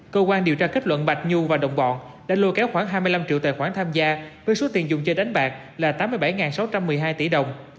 cơ quan điều tra kết luận bạch nhu và đồng bọn đã lôi kéo khoảng hai mươi năm triệu tài khoản tham gia với số tiền dùng chơi đánh bạc là tám mươi bảy sáu trăm một mươi hai tỷ đồng